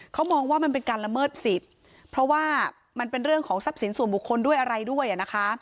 เขามองว่ามันเป็นการละเมิดสิทธิ์เพราะว่ามันเป็นเรื่องของทรัพย์สินส่วนบุคคลด้วยอะไรด้วยอ่ะนะคะ